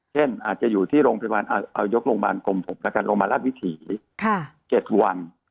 เช่นอาจจะอยู่ที่โรงพยาบาลเอายกโรงพยาบาลกรมผมแล้วกันโรงพยาบาลราชวิถี๗วัน